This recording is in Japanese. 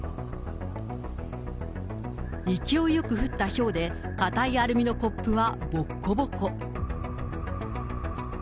勢いよく降ったひょうで、硬いアルミのコップはぼっこぼこ。